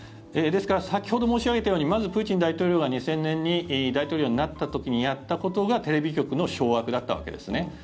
ですから先ほど申し上げたようにまず、プーチン大統領が２０００年に大統領になった時にやったことがテレビ局の掌握だったわけです。